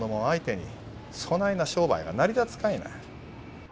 相手にそないな商売が成り立つかいな。